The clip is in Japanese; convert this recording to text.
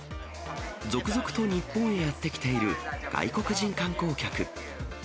続々と日本へやって来ている外国人観光客。